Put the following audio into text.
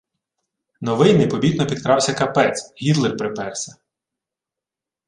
Новий непомітно підкрався капець – Гітлер приперся